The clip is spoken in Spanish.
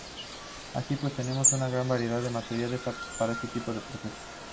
Así pues, tenemos una gran variedad de materiales aptos para este tipo de procesos.